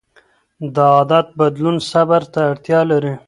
د عادت بدلون صبر ته اړتیا لري.